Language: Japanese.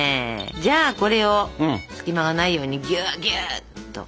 じゃあこれを隙間がないようにぎゅうぎゅうっと。